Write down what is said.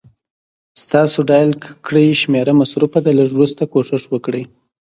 ستاسو ډائل کړې شمېره مصروفه ده، لږ وروسته کوشش وکړئ